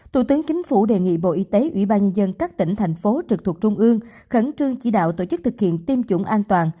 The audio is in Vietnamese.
thủ tướng chính phủ đề nghị bộ y tế ủy ban nhân dân các tỉnh thành phố trực thuộc trung ương khẩn trương chỉ đạo tổ chức thực hiện tiêm chủng an toàn